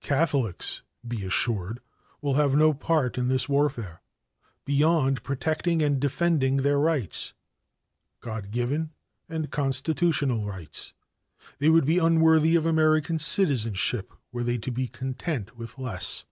"Catholics, be assured, will have no part in this warfare, beyond protecting and defending their rights God given and Constitutional rights. They would be unworthy of American citizenship were they to be content with less.